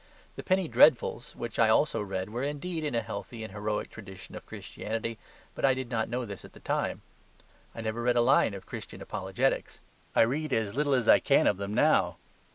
The penny dreadfuls which I also read were indeed in a healthy and heroic tradition of Christianity; but I did not know this at the time. I never read a line of Christian apologetics. I read as little as I can of them now.